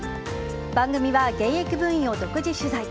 番組は現役部員を独自取材。